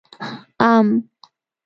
🥭 ام